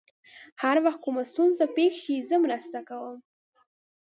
هر وخت کومه ستونزه پېښ شي، زه مرسته کوم.